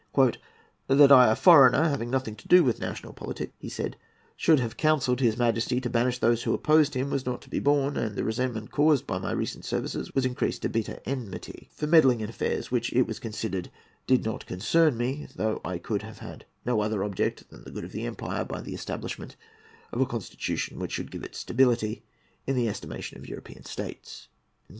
"That I, a foreigner, having nothing to do with national politics," he said, "should have counselled his Majesty to banish those who opposed him, was not to be borne, and the resentment caused by my recent services was increased to bitter enmity for meddling in affairs which, it was considered, did not concern me; though I could have had no other object than the good of the empire by the establishment of a constitution which should give it stability in the estimation of European states."